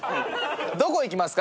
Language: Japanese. どこ行きますか？